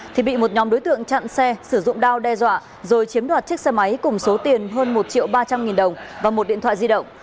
thì bị một nhóm đối tượng chặn xe sử dụng đao đe dọa rồi chiếm đoạt chiếc xe máy cùng số tiền hơn một triệu ba trăm linh nghìn đồng và một điện thoại di động